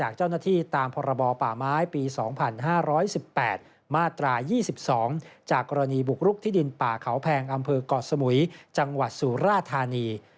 เขาแพงอำเภอกรสมุยจังหวัดสุราธานี